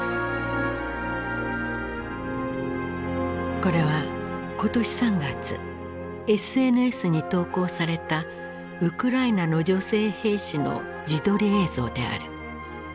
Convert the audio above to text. これは今年３月ＳＮＳに投稿されたウクライナの女性兵士の自撮り映像である。